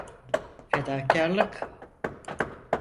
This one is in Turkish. Fedakarlık.